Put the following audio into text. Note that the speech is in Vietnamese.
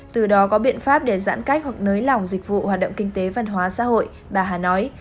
từ đó có biện pháp để giãn cách hoặc nới lỏng dịch vụ hoạt động kinh tế văn hóa xã hội bà hà nói